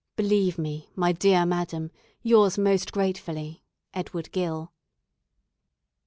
Believe me, my dear madam, yours most gratefully, "Edward Gill."